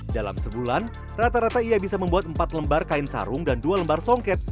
dalam sebulan rata rata ia bisa membuat empat lembar kain sarung dan dua lembar songket